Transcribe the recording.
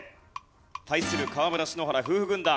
対する河村＆篠原夫婦軍団。